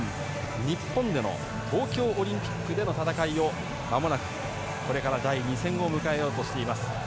日本での東京オリンピックでの戦いをこれから第２戦を迎えようとしています。